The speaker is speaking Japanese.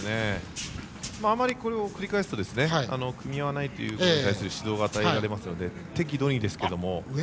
あまり、これを繰り返すと組み合わないということに対する指導が与えられますので適度にですけれども。